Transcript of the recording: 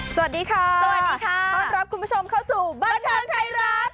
สวัสดีค่ะสวัสดีค่ะต้อนรับคุณผู้ชมเข้าสู่บันเทิงไทยรัฐ